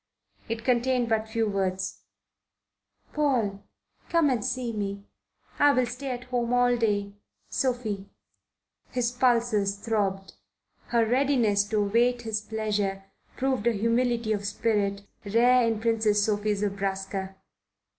It contained but few words: PAUL, come and see me. I will stay at home all day. SOPHIE. His pulses throbbed. Her readiness to await his pleasure proved a humility of spirit rare in Princess Sophie Zobraska.